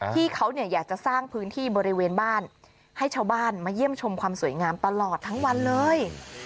ที่เขาอยากจะสร้างพื้นที่บริเวณบ้านให้ชาวบ้านมาเยี่ยมชมความสวยงามตลอดทั้งวันเลย